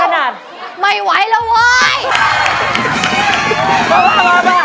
น่ารักมาก